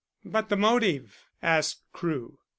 "But the motive?" asked Crewe.